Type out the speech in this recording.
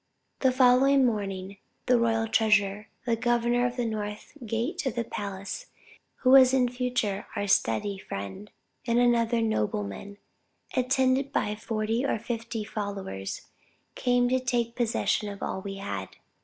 "The following morning, the royal treasurer, the governor of the north gate of the palace, who was in future our steady friend, and another nobleman, attended by forty or fifty followers, came to take possession of all we had.